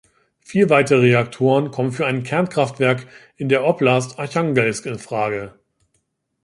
Vier weitere Reaktoren kommen für ein Kernkraftwerk in der Oblast Archangelsk in Frage.